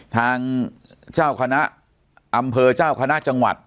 ทางเจ้าคณะอำเภอเจ้าคณะจังหวัด